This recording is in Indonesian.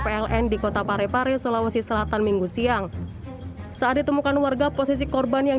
pln di kota parepare sulawesi selatan minggu siang saat ditemukan warga posisi korban yang